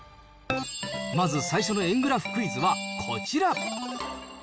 まず最初の円グラフクイズはこちら。